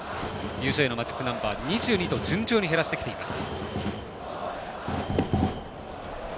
優勝へのマジックナンバー２２と順調に減らしてきています。